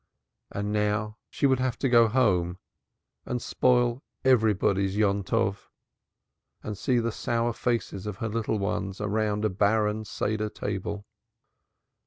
And now she would have to go home and spoil everybody's Yontov, and see the sour faces of her little ones round a barren Seder table.